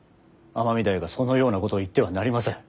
尼御台がそのようなことを言ってはなりません。